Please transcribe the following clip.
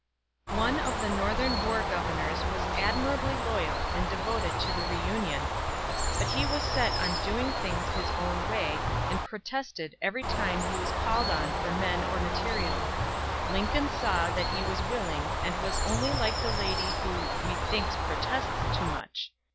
One of the Northern war governors was admirably loyal and devoted to the reunion, but he was set on doing things his own way, and protested every time he was called on for men or material. Lincoln saw that he was willing, and was only like the lady who "methinks protests too much."